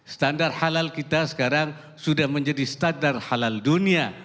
standar halal kita sekarang sudah menjadi standar halal dunia